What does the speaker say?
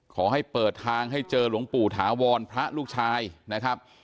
ขอให้เปิดทางให้เจอหลวงปู่ถาวรพระลูกชายนะครับ